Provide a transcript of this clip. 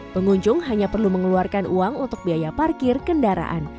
pengunjung hanya perlu mengeluarkan uang untuk biaya parkir kendaraan